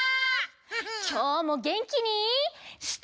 きょうもげんきにスター。